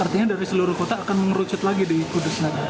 artinya dari seluruh kota akan merucut lagi di kudus